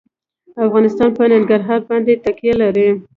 افغانستان په ننګرهار باندې تکیه لري.